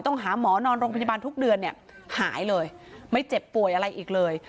ต้องหาหมอนอนโรงพยาบาลทุกเดือนเนี่ยหายเลยไม่เจ็บป่วยอะไรอีกเลย